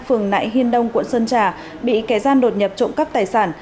phường nại hiên đông quận sơn trà bị kẻ gian đột nhập trộm cắp tài sản